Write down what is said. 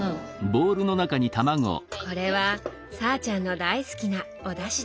これはさぁちゃんの大好きなおだしだね。